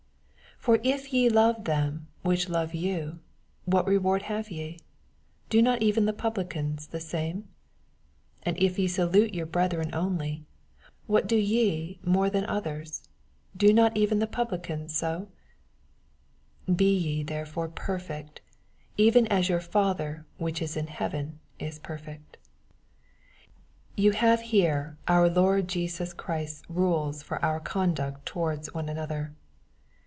46 For if ye love them which love yoa, what reward have yef do not even the publicans the same ? 47 And if yo Palate your brethren only, what do ye more iaan otktrt t do not even the pablicans aof 48 Be ye therefore j)erfeet, e\ren aa your Father which is in heaven is perfect. You have here our Lord Jesus Christ's rules for our con duct one towards another.